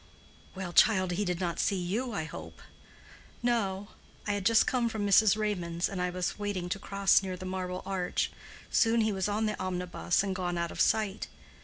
"Well, child, he did not see you, I hope?" "No. I had just come from Mrs. Raymond's, and I was waiting to cross near the Marble Arch. Soon he was on the omnibus and gone out of sight.